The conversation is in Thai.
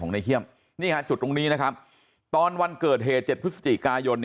นี่ค่ะจุดตรงนี้ตอนวันเกิดเหตุ๗พฤศจิกายน